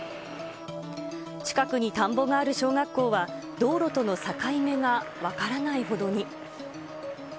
近くに田んぼがある小学校は、道路との境目が分からないほどに。